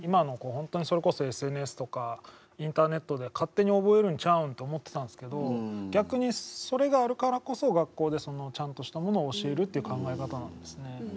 本当にそれこそＳＮＳとかインターネットで勝手に覚えるんちゃうんと思ってたんですけど逆にそれがあるからこそ学校でちゃんとしたものを教えるっていう考え方なんですね。